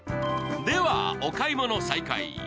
ではお買い物再開。